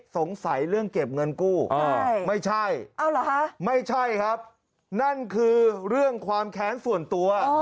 สงสัยเรื่องเก็บเงินกู้ไม่ใช่ไม่ใช่ครับนั่นคือเรื่องความแค้นส่วนตัว